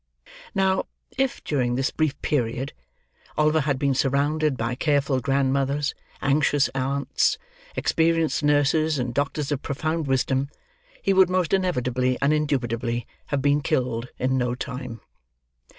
Now, if, during this brief period, Oliver had been surrounded by careful grandmothers, anxious aunts, experienced nurses, and doctors of profound wisdom, he would most inevitably and indubitably have been killed in no time.